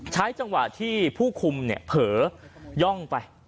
ใช้จังหวะที่ผู้คุมเนี่ยเผลอย่องไป